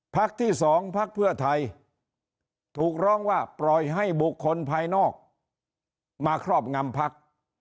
ที่๒พักเพื่อไทยถูกร้องว่าปล่อยให้บุคคลภายนอกมาครอบงำพัก